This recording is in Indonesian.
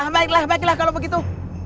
baiklah baiklah kalau begitu